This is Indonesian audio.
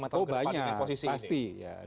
lima tahun ke depan dengan posisi ini